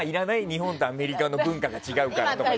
日本とアメリカの文化が違うからとか。